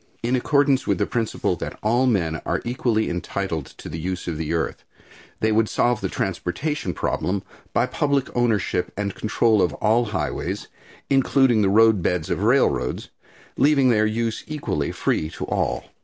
In accordance with the principle that all men are equally entitled to the use of the earth, they would solve the transportation problem by public ownership and control of all highways, including the roadbeds of railroads, leaving their use equally free to all.